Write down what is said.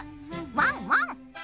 ワンワン！